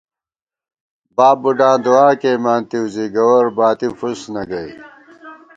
باب بُڈاں دُعا کېئیمانتِؤ زی گوَر باتی فُس نَہ گَئی